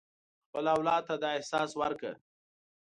خپل اولاد ته دا احساس ورکړه.